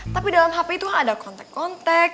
tapi dalam hp itu ada kontak kontak